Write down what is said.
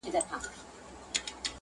واوري دي اوري زموږ پر بامونو -